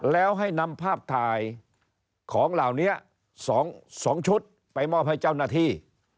แล้วให้นำภาพถ่ายของเหล่านี้๒ชุดไปมอบให้เจ้าหน้าที่